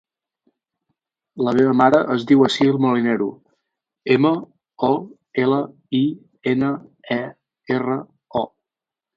La meva mare es diu Assil Molinero: ema, o, ela, i, ena, e, erra, o.